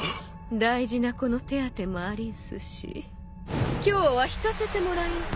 大事な子の手当てもありんすし今日は引かせてもらいんしょう。